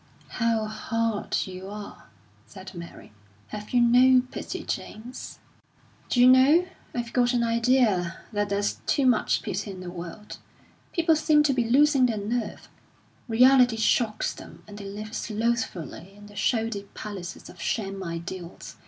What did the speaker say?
"How hard you are!" said Mary. "Have you no pity, James?" "D'you know, I've got an idea that there's too much pity in the world. People seem to be losing their nerve; reality shocks them, and they live slothfully in the shoddy palaces of Sham Ideals.